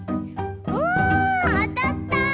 おあたった！